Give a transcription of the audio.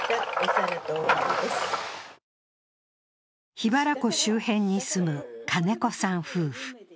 桧原湖周辺に住む金子さん夫婦。